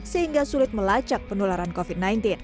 sehingga sulit melacak penularan covid sembilan belas